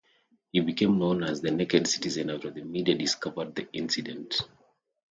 He became known as the Naked Citizen after the media discovered the incident.